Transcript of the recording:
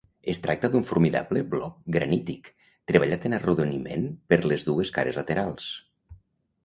Es tracta d'un formidable bloc granític, treballat en arrodoniment per les dues cares laterals.